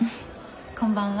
こんばんは。